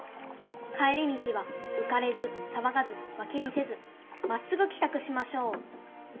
帰り道はうかれずさわがずわき見せずまっすぐきたくしましょう」。